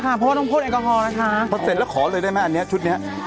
เพราะว่าต้องพ่นแอลกอฮอลนะคะพอเสร็จแล้วขอเลยได้ไหมอันนี้ชุดเนี้ย